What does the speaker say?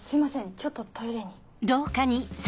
ちょっとトイレに。